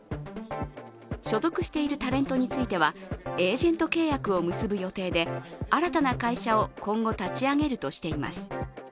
所属しているタレントについては、エージェント契約を結ぶ予定で新たな会社を今後立ち上げるとしています。